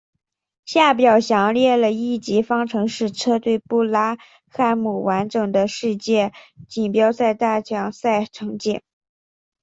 下表详列了一级方程式车队布拉汉姆完整的世界锦标赛大奖赛成绩。